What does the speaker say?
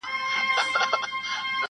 ویل وایه د عمرونو جادوګره-